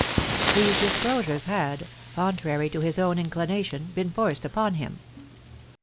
These disclosures had, contrary to his own inclination, been forced upon him.